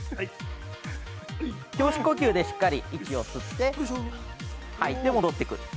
◆胸式呼吸でしっかり息を吸って吐いて、戻ってくる。